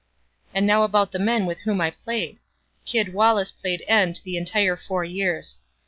"And now about the men with whom I played: Kid Wallace played end the entire four years.